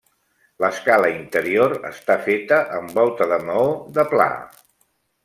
L'escala interior està feta amb volta de maó de pla.